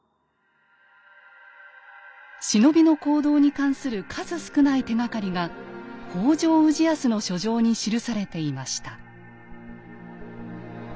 忍びの行動に関する数少ない手がかりが北条氏康の書状に記されていました。